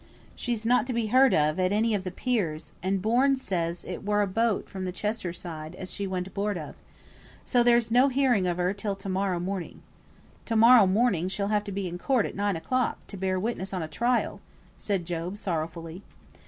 "She's not to be heard of at any of the piers; and Bourne says it were a boat from the Cheshire side as she went aboard of. So there's no hearing of her till to morrow morning." "To morrow morning she'll have to be in court at nine o'clock, to bear witness on a trial," said Job, sorrowfully.